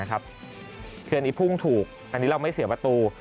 การนี้พุ่งถูกการนี้เราไม่เสียปลาตู